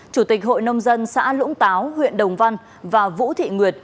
chủ tịch hội nông dân xã lũng táo huyện đồng văn và vũ thị nguyệt